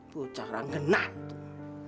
bucah orang genah tuh